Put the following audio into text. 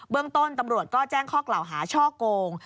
เรื่องต้นตำรวจก็แจ้งข้อกล่าวหาช่อโกง